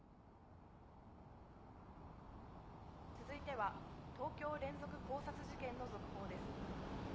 続いては東京連続絞殺事件の続報です。